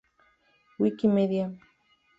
Wiki media